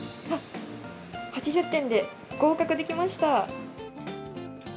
あっ、８０点で合格できまし